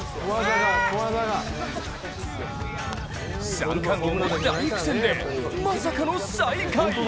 三冠王も大苦戦でまさかの最下位。